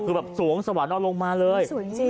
คือแบบสวงสวรรค์เอาลงมาเลย